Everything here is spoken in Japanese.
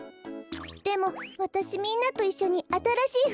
でもわたしみんなといっしょにあたらしいふくをかいたいの。